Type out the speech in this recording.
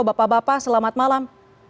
bapak bapak selamat malam